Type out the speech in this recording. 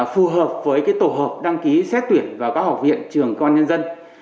phù hợp với tổ hợp đăng ký xét tuyển vào các học viện trường công an nhân dân